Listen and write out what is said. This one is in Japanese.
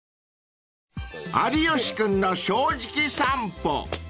［『有吉くんの正直さんぽ』］